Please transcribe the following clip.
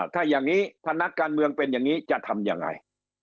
ถ้านักการเมืองเป็นอย่างนี้จะทำยังไง